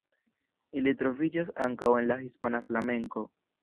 Ili troviĝas ankaŭ en la hispana flamenko.